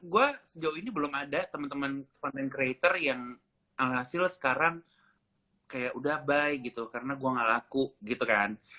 gua sejauh ini belum ada temen temen content creator yang alhasil sekarang kayak udah bye gitu karena gua gak laku gitu kan